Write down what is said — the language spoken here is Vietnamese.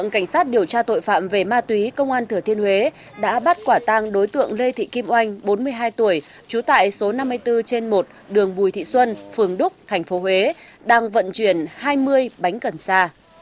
các điều tra tội phạm về ma túy công an thừa thiên huế đã bắt quả tàng đối tượng lê thị kim oanh bốn mươi hai tuổi chú tại số năm mươi bốn trên một đường bùi thị xuân phường đúc tp huế đang vận chuyển hai mươi bánh cần xa